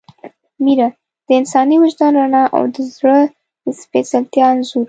میره – د انساني وجدان رڼا او د زړه د سپېڅلتیا انځور